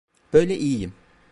Böyle iyiyim.